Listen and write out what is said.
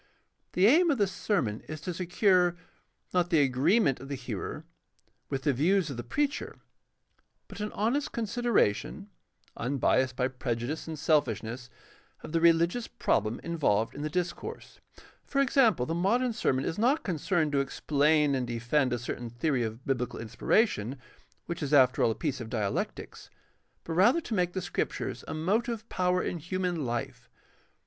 The aim of the sermon is to secure, not the agreement of the hearer with the views of the preacher, but an honest consideration, unbiased by prejudice and selfish ness, of the religious problem involved in the discourse. For example, the modern sermon is not concerned to explain and defend a certain theory of biblical inspiration, which is after all a piece of dialectics, but rather to make the Scriptures a motive power in human hfe.